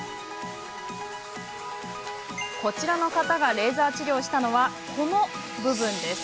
こちらの方がレーザー治療したのは、この部分。